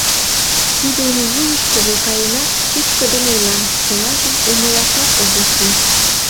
Тудын вуйышкыжо каенат, чӱчкыдын ойла, чылажым умылашат огеш лий.